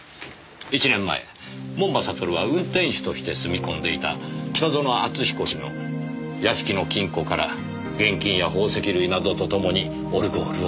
１年前門馬悟は運転手として住み込んでいた北薗篤彦氏の屋敷の金庫から現金や宝石類などとともにオルゴールを盗み出した。